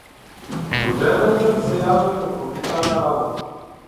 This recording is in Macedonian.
Утредента ми се јавија и ме повикаа на работа.